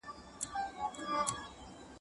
احمد شاه ابدالي څنګه د جګړې پر ځای خبرې غوره کولي؟